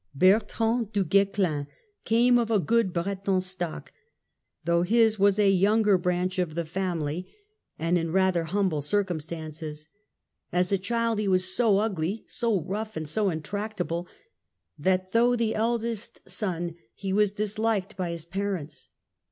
Bertrand du Guesclin came of a good Breton stock, though his was a younger branch of the family and in FKENCH HISTORY, 1328 1380 151 rather humble circumstances. As a child he was so ugly, so rough and so intractable that, though the eldest son, he was disHked by his parents.